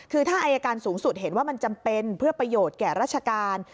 คือถ้าอายการสูงสุดเห็นว่ามันจำเป็นเพื่อประโยชน์แก่ราชการ